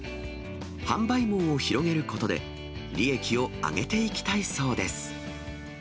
販売網を広げることで、利益を上げていきたいそうです。